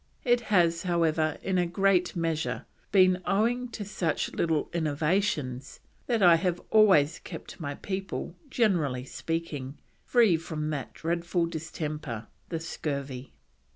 It has, however, in a great measure been owing to such little innovations that I have always kept my people, generally speaking, free from that dreadful distemper, the Scurvy."